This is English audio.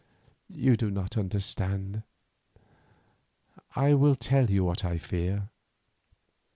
You do not understand. I will tell you what I fear.